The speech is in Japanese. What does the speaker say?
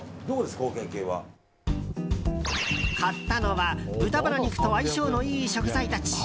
買ったのは豚バラ肉と相性のいい食材たち。